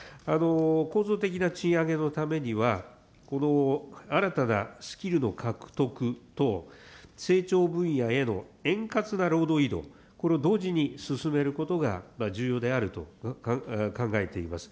構造的な賃上げのためには、新たなスキルの獲得と、成長分野への円滑な労働移動、これを同時に進めることが重要であると考えています。